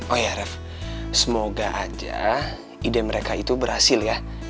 oh ya ref semoga aja ide mereka itu berhasil ya